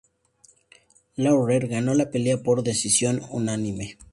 Lawler ganó la pelea por decisión unánime.